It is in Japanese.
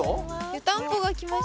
湯たんぽがきました。